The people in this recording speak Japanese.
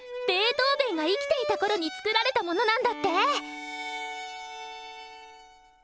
トーヴェンが生きていたころに作られたものなんだって！